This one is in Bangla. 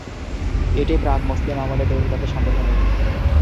এটি প্রাক মুসলিম আমলে তৈরি তাতে সন্দেহ নেই।